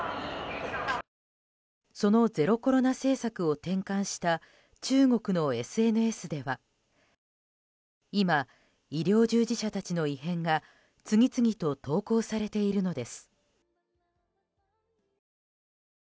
そのゼロコロナ政策を転換した中国のＳＮＳでは今、医療従事者たちの異変が次々と投稿されているのです。